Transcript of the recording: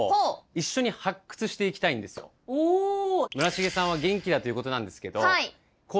村重さんは元気だということなんですけどこう